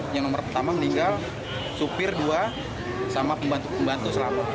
yang nomor pertama meninggal sopir dua sama pembantu selamat